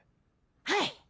はい。